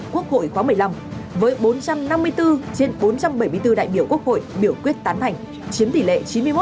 quốc hội khóa một mươi năm với bốn trăm năm mươi bốn trên bốn trăm bảy mươi bốn đại biểu quốc hội biểu quyết tán hành chiếm tỷ lệ chín mươi một một mươi sáu